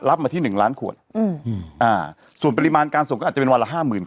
มาที่หนึ่งล้านขวดอืมอ่าส่วนปริมาณการส่งก็อาจจะเป็นวันละห้าหมื่น